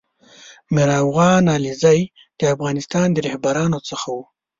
میر افغان علیزی دافغانستان د رهبرانو څخه و